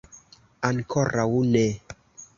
Ankoraŭ ne.